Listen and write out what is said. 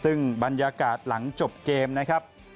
ซึ่งบรรยากาศหลังจบเกมนะครับ